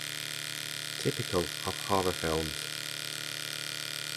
Typical of horror films.